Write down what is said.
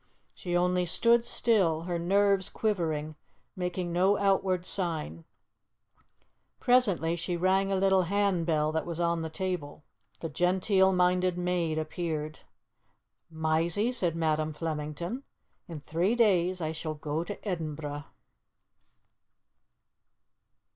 She only stood still, her nerves quivering, making no outward sign. Presently she rang a little hand bell that was on the table. The genteel minded maid appeared. "Mysie," said Madam Flemington, "in three days I shall go to Edinburgh."